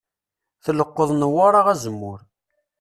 Tleqqeḍ Newwara azemmur.